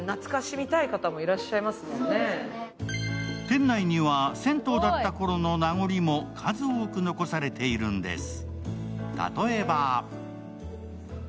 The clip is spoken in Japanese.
店内には銭湯だったころの名残も数多く残されているんです。